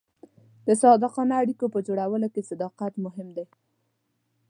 د صادقانه اړیکو په جوړولو کې صداقت مهم دی.